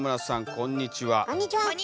こんにちは。